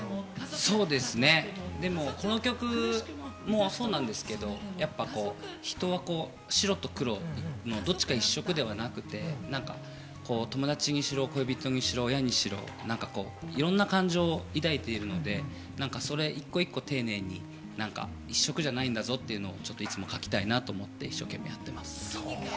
そうですね、この曲もそうなんですけど、人は白と黒、どっちか一色ではなくて、友達にしろ、恋人にしろ、親にしろ、いろんな感情を抱いているので、それ一個一個、丁寧に一色じゃないんだぞというふうにいつも書きたいなと思って。